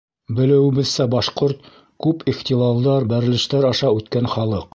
Белеүебеҙсә, башҡорт — күп ихтилалдар, бәрелештәр аша үткән халыҡ.